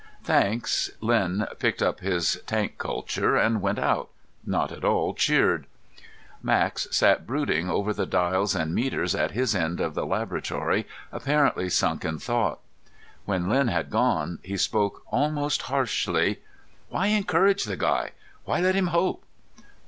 "Thanks." Len picked up his tank culture and went out, not at all cheered. Max sat brooding over the dials and meters at his end of the laboratory, apparently sunk in thought. When Len had gone, he spoke almost harshly. "Why encourage the guy? Why let him hope?"